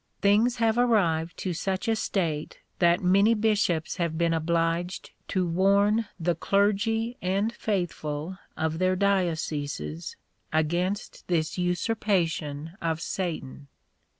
Things have arrived to such a state that many bishops have been obliged to warn the clergy and faithful of their dioceses against this usurpation of Satan.